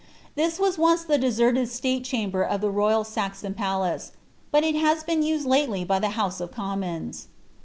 This was once a deserted state chamber* of the royal Saxon palace ; but it has been used lately by the House of Commons.